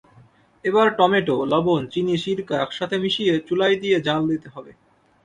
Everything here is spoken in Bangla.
এবার টমেটো, লবণ, চিনি, সিরকা একসাথে মিশিয়ে চুলায় দিয়ে জ্বাল দিতে হবে।